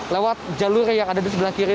lewat jalur yang ada di sebelah kiri